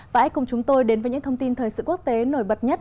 và hãy cùng chúng tôi đến với những thông tin thời gian tiếp theo